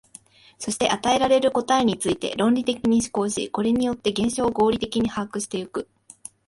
そして与えられる答えについて論理的に思考し、これによって現象を合理的に把握してゆく。